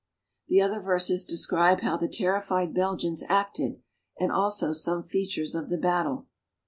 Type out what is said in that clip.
" The other verses describe how the terrified Belgians acted, and also some features of the battle.